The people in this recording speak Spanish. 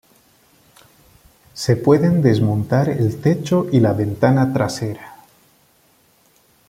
Se pueden desmontar el techo y la ventana trasera.